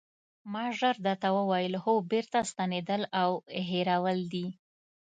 ما ژر درته وویل: هو بېرته ستنېدل او هېرول دي.